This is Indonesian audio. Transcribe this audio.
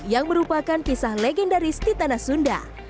yang merupakan pisah legendaris di tanah sunda